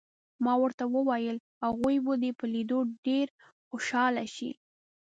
ما ورته وویل: هغوی به دې په لیدو ډېر خوشحاله شي.